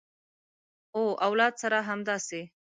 او اولاد سره همداسې